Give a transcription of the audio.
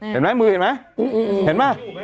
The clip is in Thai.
เห็นมั้ยมือเห็นมั้ย